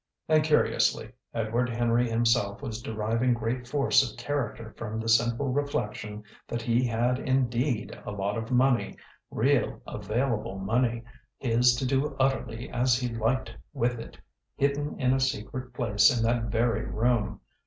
And, curiously, Edward Henry himself was deriving great force of character from the simple reflection that he had indeed a lot of money, real available money, his to do utterly as he liked with it, hidden in a secret place in that very room.